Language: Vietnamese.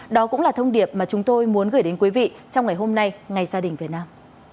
đó cũng là thông điệp mà chúng tôi muốn gửi đến quý vị trong ngày hôm nay ngày gia đình việt nam